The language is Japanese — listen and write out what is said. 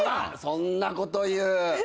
そんなこと言う。